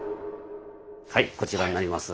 はいこちらになります。